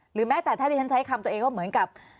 แม้แต่ถ้าที่ฉันใช้คำตัวเองว่าเหมือนกับ